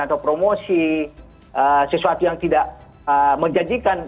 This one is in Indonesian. atau promosi sesuatu yang tidak menjanjikan